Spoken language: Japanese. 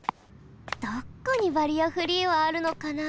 どこにバリアフリーはあるのかな？